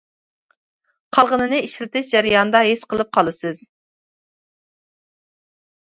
قالغىنىنى ئىشلىتىش جەريانىدا ھېس قىلىپ قالىسىز.